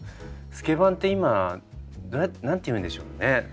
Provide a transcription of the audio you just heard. スケバンって今何て言うんでしょうね。